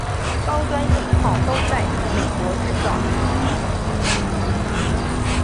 高端型号都在美国制造。